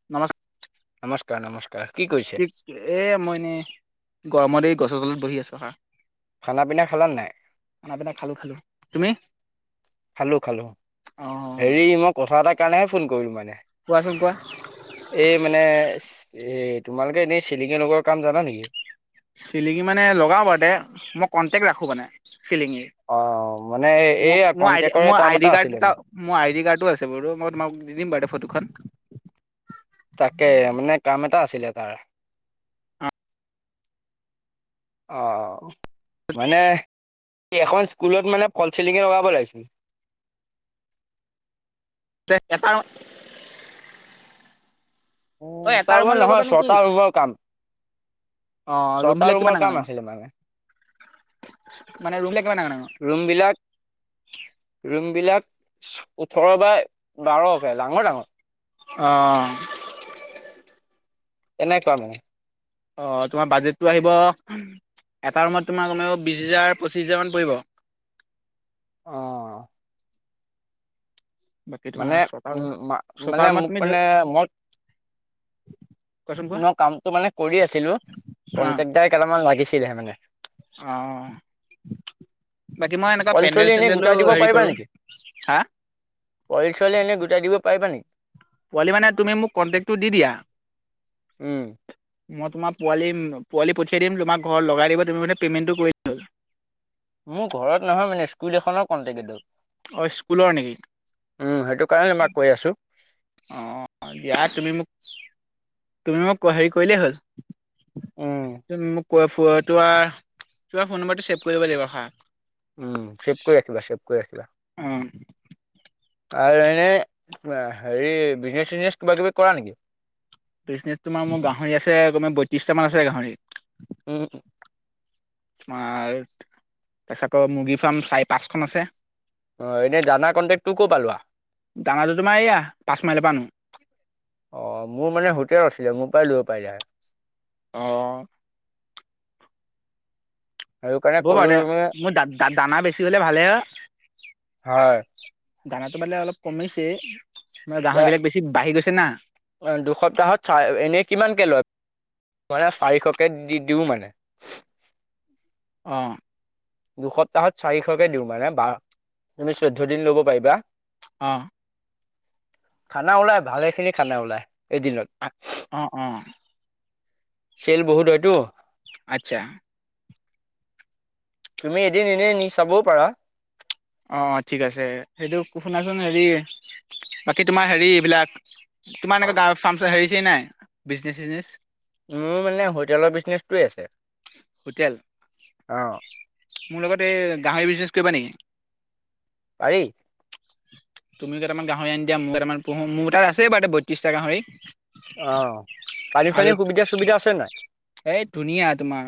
নমস্কাৰ। নমস্কাৰ নমস্কাৰ, কি কৰিছে? ঠিক এ মই এনেই গৰমতে গছৰ তলত বহি আছো হাঁ। খানা পিনা খালা নাই? খানা পিনাই খালো খালো, তুমি? খালো খালো, অ হেৰি মই কথা এটাৰ কাৰণেহে ফোন কৰিলো মানে। কোৱাচোন কোৱা। এই মানে এই তোমালোকে এনেই চিলিঙি লগৰ কাম জানা নেকি? চিলিঙি মানে লগাওঁ বাৰু দে, মই কণ্টেক্ট ৰাখোঁ মানে চিলিঙি। অ মানে ম এই মোৰ কন্ট্ৰেক্টৰে মোৰ কাম আই এটা ড আছিলে কাৰ্ডটা মানে। মোৰ আই ডি কাৰ্ডো আছে বাৰু মই তোমাক দি দিম বাৰু ফটোখন। তাকে মানে কাম এটা আছিলে তাৰ। অ' মানে এখন স্কুলত মানে পল চেলিঙ লগাব লাগিছিল। এটা উম, তই এটা তাৰ ৰুমত মানে নহয় লগাপবা নেকি? ছটা ৰুমৰ কাম আহ, ৰুম ছটা বিলাক ৰুমৰ কিমান ডাঙৰ কাম ডাঙৰ? আছিলে মানে মানে ৰ ৰুম বিলাক কিমান ডাঙৰ ডাঙৰ? ৰুম বিলাক ৰুম বিলাক, ওঠৰ বা বাৰকে ডাঙৰ ডাঙৰ। অ'। এনেকুৱা মানে। অ' তোমাৰ বাজেটটো আহিব, এটা ৰুমত তোমাৰ কম বিছ হেজাৰ পঁচিছ হেজাৰমান পৰিব। অ'। বাকী মানে তোমাৰ, শতাৰ উম মা- মানে শতাৰ ম মোক তুমি ধ মানে মই মই কামটো মানে কৰি আছিলো, কনট্ৰেক্টাৰ কেইটামান লাগিছিলে হে মানে। আহ। বাকী মই এনেকুৱা পোৱালি ছোৱালী পেণ্ডেল এনেই চেডেলো গোটাই দিব হেৰি কৰো, হা? পচলে এনে গোটাই দিব পাৰিবা নে? পোৱালি মানে তুমি মোক কন্টেক্টটো দি দিয়া। উম মই তোমাৰ পোৱালি পঠায় দিম, তোমাৰ ঘৰত লগায় দিব, তুমি মানে পেমেণ্টতো কৰি দিলে মোৰ ঘৰত নহয় মানে স্কুল এখনৰ কণ্টেক্ট এইটো। অ' স্কুলৰ নেকি? উম, সেইটো কাৰণে আমাক কৈ আছো। অ' দিয়া তুমি মোক, তুমি মোক হেৰি কৰিলেই উম হ'ল। মোক ক ত তাৰ ফোন নম্বৰটো চছেভ কৰিব লাগিব হা। উম ছেভ কৰি ৰাখিবা, ছেভ কৰি ৰাখিবা। উম। আৰু এনে হেৰি বিজনেচ চিজনেচ কিবা কিবি কৰা নেকি? বিজনেজ তোমাৰ মোৰ গাহৰি আছে, তোমাৰ পত্ৰিছটা মান আছে গাহৰি। উম। তোমাৰ, তাৰপিছতৰ মুৰ্গী ফাৰ্ম চাৰি পাঁচখন আছে। অ' এনে জানা কন্টেক্টটো ক'ত পালোৱা? দানাটো তোমাৰ এয়া পাঁচ মাইলৰ পৰা আনো অ' মোৰ মানে হোটেল আছিলে মোৰ পৰায় লব পাৰিলা হয়। অ'। সেইটো কাৰণে হ'ব ক'লো বাৰ দে, তুমি মোৰ দানা বেছি হলে ভালে হে। হয়। দানাটো বালে অলপ কমিছে, মে গাহৰিৰ বিলাক বেছি বাঢ়ি গৈছে না। অ' দুসপ্তাহত চাই এনেই কিমানকে লয়? মানে চাৰিশকে দি দিওঁ মানে। অ'। দুসপ্তাহত চাৰিশকে দিওঁ মানে, বা তুমি চৈধ্যয় দিন লব পাৰিবা। অ'। খানা ওলাই ভালে খিনি খানা ওলাই এদিনত। অ', অ'। চেল বহুত হয়তো। আচ্ছা। তুমি এদিন এনেই নি চাবওঁ পাৰা। অ', অ' ঠিক আছে সেইটো, শুনাচোন হেৰি বাকী তোমাৰ হেৰি এইবিলাক তোমাৰ একুৱা গৱৰ ফাৰ্ম হেৰিছে নাই বিজনেচ চিজনেচ? মোৰ মানে হোটেলৰ বিজনেচটোৱে আছে। হোটেল? অঁ। মোৰ লগত এই গাহৰি বিজনেচ কৰিবা নেকি? পাৰি। তুমি কেইটামান গাহৰি আনি দিয়া, মইও কেইামান পোহো, মোৰ কেইতা আছেই বাৰু বত্ৰিছটা গাহৰি। অ' পানী চানী আৰু সুবিধা সুবিধা আছে নাই? এই ধুনীয়া তোমাৰ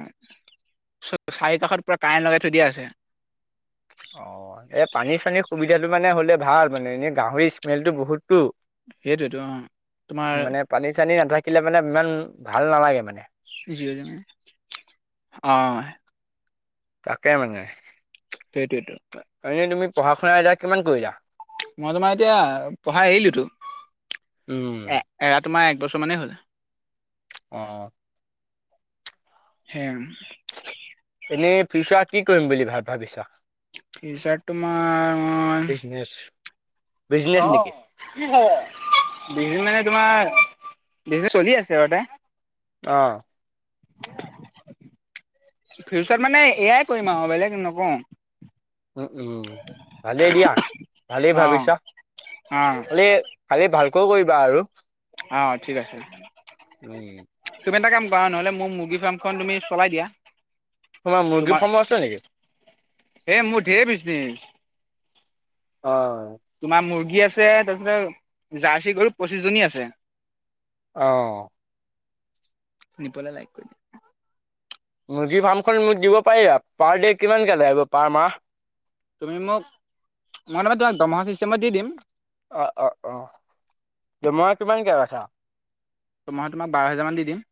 চাৰি কাষত পুৰা কাৰেণ্ট লগাই থৈ দিয়া আছে। অ' এই পানী চানীৰ সুবিধাটো মানে হ'লে ভাল মানে এনেই গাহৰি স্মেলটো বহুততো। সেইতোৱেটো, অ' তোমাৰ মানে পানী চানী নাথাকিলে মানে ইমান ভাল নালাগে মানে। অ'। তাকে মানে। সেইতোৱেটো। এনেই তুমি পঢ়া শুনা এতিযা কিমান কৰিলা? মই তোমাৰ এতিয়া পঢ়াই এৰিলোতো, উম, এ এৰা তোমাৰ একবছৰ মানেই হ'ল। অ'। হে' এনেই ফিউচৰা কি কৰিম বুলি ভ ভাবিছা? ফিউচাৰতো মই ইয়েছ। অ কি বিছদ মানে তোমাৰ বিছদ চলি আছে ঘতে [unintelligible] অঁ। ফিউচাৰত মানে এয়াই কৰিম আৰু বেলেগ নকৰো। উম, উম ভালেই দিয়া ভালেই অ ভাবিছা। অ খালি খালি ভালকৈ কৰিবা আৰু। অ' ঠিক আছে। উম, তুমি এটা কাম কৰা নহ'লে মোৰ মুৰ্গী ফাৰ্মখন তুমি চলাই দিয়া। তোমাৰ মুৰ্গীৰ ফাৰ্মো আছে নেকি? এ মোৰ ঢেৰ বিজনেচ। অ'। তোমাৰ মুৰ্গী আছে, তাৰপিছত জাৰ্চি গৰু পঁচিশ জনী আছে অঁ। শুনি পেলাই লাইক কৰি দিয়া। মুৰ্গী ফাৰ্মখন মোক দিব পাৰিবা পাৰ ডে' কিমানকৈ লাগিব পাৰ মাহ? তুমি মোক মই মানে তোমাক দৰমহা চিষ্টেমত দি দিম। অ', অ', অ' দৰমহা কিমান কে দিবা? দৰমহা তোমাক বাৰ হেজাৰমান দি দিম।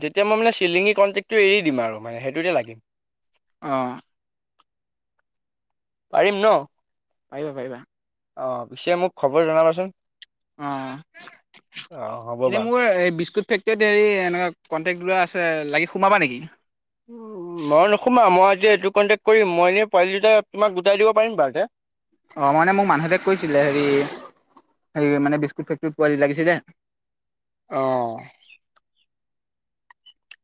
তেতিয়া মই মানে চিলিঙি কণ্টেক্টটো এৰি দিম আৰু মানে সেইটোতে লাগিম। অঁ। পাৰিম ন? পৰিবা পৰিবা। অ পিছে মোক খবৰ জনাবাচোন অ অ', হ'ব এনে বাৰু। মোৰ এই বিস্কুট ফেক্ট এতিয়া হৰি এনেুৱা কণ্টেক্ট লৰা আছে লাগি সোমাবা নেকি মই নোসোমা মই আজি এইটো কণ্টেক্ট কৰিম মই এনেই পোৱালি দুটা তোমাক গোটাই দিব পাৰিম বাৰু তে অঁ মইানে মোক মানুহঁতে কৈছিলে হেৰি হে মানে বিস্কুট ফে্টত পোৱ লাগিছিল যে অ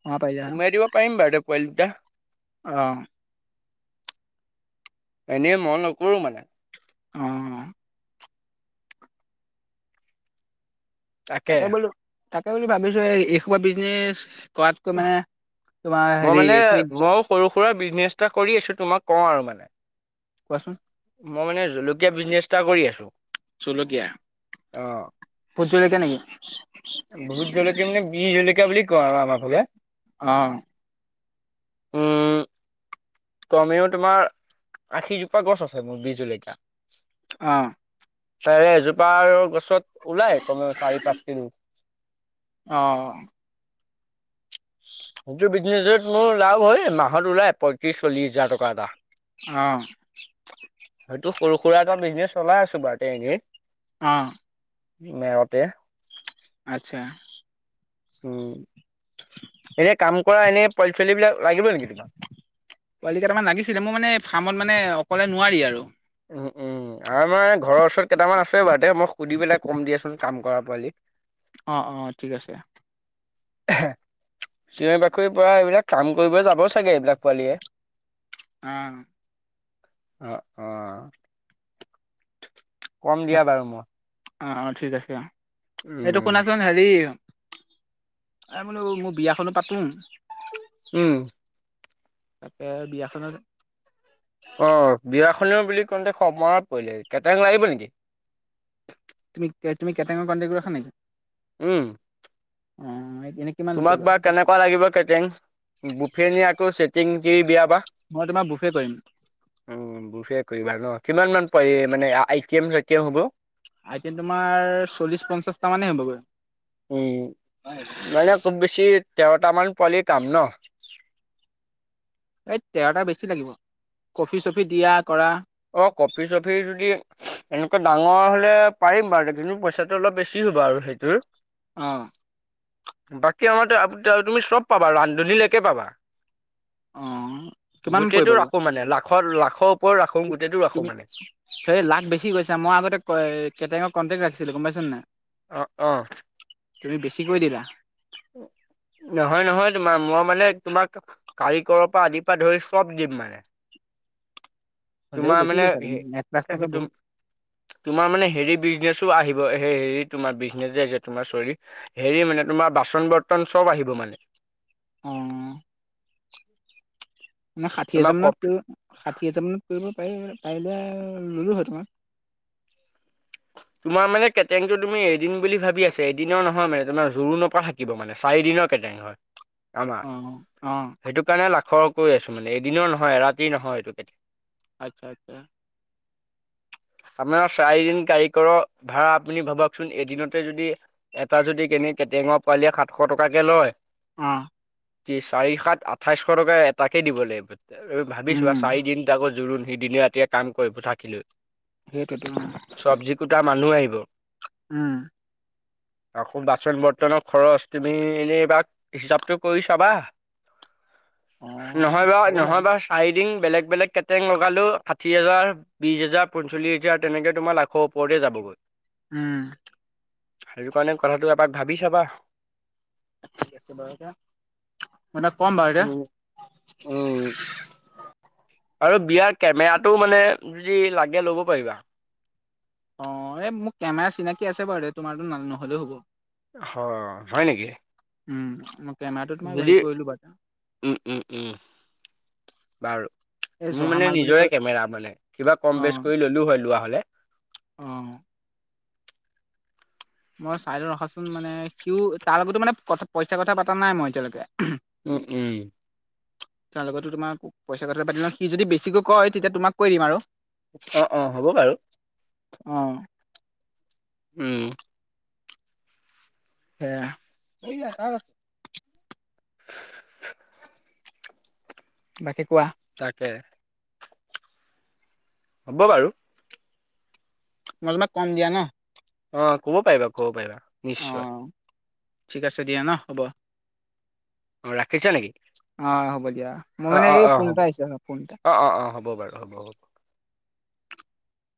সোমাব পাৰিলা তুমি এ দিব পাৰিম বাৰু পোৱালি দুটা অ এনেই মই নকৰো মানে অ তাকে বোলো তাকে বুলি ভাবিছো এই এইসৰ বিজনেছ কৰাতকৈ মানে তোমাৰ মই হেৰি মানে এইখিনি ময়ো সৰু সুৰা বিজনেছ এটা কৰি আছোঁ তোমাক কওঁ আৰু মানে। কোৱাচোন। মই মানে জলকীয়া বিজনেচ এটা কৰি আছো। জলকীয়া ভোটজলকীয়া নেকি? ভোত জলকীয়া মানে বিহ জলকীয়া বুলি কওঁ আৰু আমাৰ ফালে। অ' উম কমেও তোমাৰ আশীজোপা গছ আছে মোৰ বীহ জলকীয়া। অ' তাৰে এজোপাৰ আৰু গছত ওলাই কমে চাৰি পাঁচ কেজি। অ' সেটো বিজনেচত মোৰ লাভ হয় মাহত ওলাই। ত্ৰিচ চল্লিছ হাজা টকা এটা অ' ময়েইটো সৰু সুৰা এটা বিজনেছ চলাই আছো বাড্ৰে কেক অঁ মেউতে আচ্ছা ও [inaudible] এনে কাম কৰা এনেই পোৱালী চোৱালী বিলাক লাগিব নেকি তোমাৰ। পোৱালি কেইটাৰামান লাগিছিলে মোৰ মানে ফাৰ্মত মানে অকলে নোৱাৰি আৰু। আমাৰ ঘৰৰ ওচৰত কেইটামান আছে বাৰু তেও বাৰু দে মই সুধি পেলাই কম দিয়াচোন কাম কৰা পোৱালি। অঁ অঁ অ ঠিক আছে। চিঞৰি বাখৰি পৰা এইবিলাক কাম কৰিব যাব চাগে এইবিলাক পোৱালীয়ে। অ' অ' অ' কম দিয়া বাৰু মই। অ 'অ' ঠিক আছে অ এইটো উম শুনাচোন হেৰি হে এই মানো মোৰ বিয়াখনো পাতো। উম তাকে বিয়াখনত। অ' বিয়াখনও বুলি কওঁতে সময়ত পৰিলে হি কেটাৰিঙ লাগিব নেকি? তুমি তুমি কেটাৰিঙৰ পাৰ্তিতো আছা নেকি। উম, অ 'এনে কিমানকে তোমাক লোৱা? বা কেনেকুৱা লাগিব কেটাৰিং বুফেনী আকৌ চেটিংকে বিয়া বা মই তোমাৰ বুফে কৰিম। উ, বুেফে কৰিবা ন কিমান মান প মানে আটৈম হ'ব। আইটেম তোমাৰ চল্লিছ পঞ্চাছটামানেই হ'বগৈ। উম, মানে খুব বেছি তেৰটামান পোৱালি কাম ন? এই তেৰটা বেছি লাগিব কফি চফি দিয়া কৰা। অ', কফি চফি যদি এনেকুৱা ডাঙৰ হলে পাৰিম বাৰু কিন্তু পইচাটো অলপ বেছি হ'ব আৰু সেইটোৰ। অ, বাকী আমাৰ [inaudible] তুমি চব পাবা ৰান্ধনীলকে পাবা। অ' কিমান গোটেটো পৰিবগৈ? ৰাখো মানে লাখৰ লাখৰ ওপৰত ৰাখো গ হে, লাখ বেছি কৈছা মই আগতে কেটেঙক কণ্টেক্ট ৰাখিছিলোঁ গম পাইছোনে নাই? অ, অ', তুমি বেছি কৈ দিলা। নহয় নহয় তোমাৰ মই মানে তোমাক কাৰিকৰৰ পৰা আদিৰ পৰা ধৰি চব দিম মানে। হ'লেও তোমাৰ বেছি মানে কৈছা তুমি এক লাখ টকা [inaudible] বহুত তোমাৰ মানে হেৰি বিজনেছো আহিব হে তোমাৰ বিজনেচ তোমাৰ চৰি, হেৰি মানে তোমাৰ বাচন বৰ্তন চব আহিব মানে। অ, মানে ষাঠি তোমাৰ কফি হোজাৰানত ষাঠি হেজাৰ মানত পৰি পাৰ পাৰিলে ল'লোঁ হয় তোমাক। তোমাৰ মানে কেটেংটো তুমি এদিন বুলি ভাবি আছে এদিনৰ নহয় মানে তোমাৰ জোৰৰু ন পৰা থাকিব মানে চাৰিদিনৰ কেটেং। [inaudible] আমাৰ অ' অ' সেইটো [inaudible] কাৰণে লাখৰ আছোঁ মানে এদিনৰ নহয় ৰাতিৰ নহয় এইটো [inaudible] আচ্ছা আচ্ছা। আমাৰ চাৰিদিন কাৰিকৰৰ ভাড়া আপুনি ভাবকচোন এদিনতে যদি, এটা যদি কেনে কেটেঙৰ পোৱালিয়ে সাতশ টকাকে লয়, অ, চাৰি সাত আঠাইশশ টকা এটাকে দিব লাগিব ভাবিছোৱা উম চাৰিদিন আাকত জোৰোণ সি দিনে ৰাতিয়ে কাম কৰিব থাকি লৈ। সেইটো তোমাৰ চব্জি কোটা মানুহ আহিব। উম, আকৌ বাচন বৰ্তনৰ খৰচ তুমি এনেই এইবাক হিচাপতটো কৰি চাবা। [unintelligible] নহয় বা হ'ব বাৰু নহয় বাচ [inaudible] বেলেগ বেলেগ কেটেং লগালো ষাঠি হোজাৰ বিশ হোজাৰ পঞ্চল্লিশ হাজাৰ তেনেকে তোমাৰ লাখৰ ওপৰতে যাবগৈ। উম। সেইটো কাৰণে কথাটো এবাক ভাবি চাবা। ঠিক আছে বাৰু দে মই তাক কম বাৰু দে। উম উম, আৰু বিয়াৰ কেমেৰাটো মানে যদি লাগে ল'ব পাৰিবা। অ, এই মোৰ কেমেৰা চিনাকি আছে বাৰু দে তোমাৰতো নাল নহ'লেও হ'ব। অ, হয় নেকি? উম, ম [inaudible] উম, উম, উম। বাৰু, এই মোৰ জহা মানে মাল বুলি নিজৰে কয় কেমেৰা মানে কিবা অ কম বেচ কৰি ল'লো হয় লোৱা হ'লে। অ, মই চাই লওঁ ৰখাচোন মানে সিও তাৰ লগতো মানে পইচা কথা পতা নাই মই এতিয়ালৈকে। উম, উম, তাৰ লগতো তোমাক পইচ কথা পাতি ল সি যদি বেছিকৈ কয় তেতিয়া তোমাক কৈ দিম আৰু অ অ হ'ব বাৰু অ উম সে আ বাকী কোৱা তাকে হ'ব বাৰু মমে কম দিয়া ন অ ক'ব পাৰিবা ক'ব পাৰিবা অ নিশ্চয় ঠিক আছে দিয়া ন হ'ব অ ৰাখিছ নেকি অ হ'ব দিয়া মোৰ অ, মানে অ, এই অ, ফোন হ'ব। এটা আহিছে ফোন এটা অ, অ, অ, হ'ব বাৰু, হ'ব।